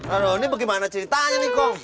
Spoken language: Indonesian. aduh ini bagaimana ceritanya nih kong